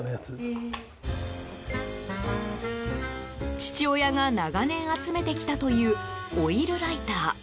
父親が長年集めてきたというオイルライター。